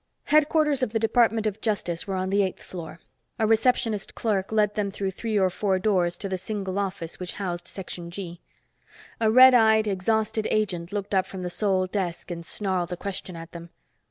Headquarters of the Department of Justice were on the eighth floor. A receptionist clerk led them through three or four doors to the single office which housed Section G. A red eyed, exhausted agent looked up from the sole desk and snarled a question at them.